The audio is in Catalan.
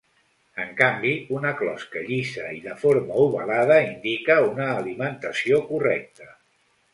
En canvi, una closca llisa i de forma ovalada indica una alimentació correcta.